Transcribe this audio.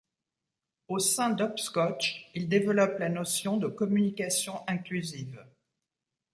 Au sein d'Hopscotch, il développe la notion de communication inclusive.